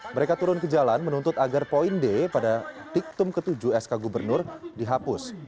mereka turun ke jalan menuntut agar poin d pada tiktum ketujuh sk gubernur dihapus